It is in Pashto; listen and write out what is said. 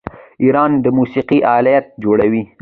ایران د موسیقۍ الات جوړوي.